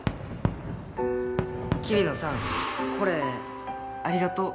桐野さんこれありがとう。